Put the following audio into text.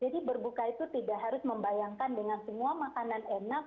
jadi berbuka itu tidak harus membayangkan dengan semua makanan enak